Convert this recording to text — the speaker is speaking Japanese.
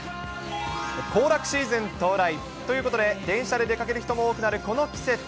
行楽シーズン到来ということで、電車で出かける人も多くなるこの季節。